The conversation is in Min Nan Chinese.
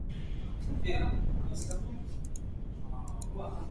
苦林盤